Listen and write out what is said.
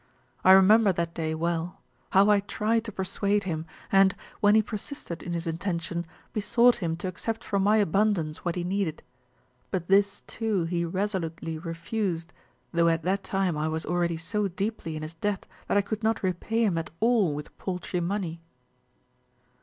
"I remember that day well, how I tried to persuade him, and, when he persisted in his intention, besought him to accept from my abundance what he needed. But this, too, he resolutely refused, though at that time I was already so deeply in his debt that I could not repay him at all with paltry money."